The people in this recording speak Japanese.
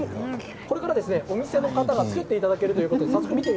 これからお店の方に作っていただけるそうです。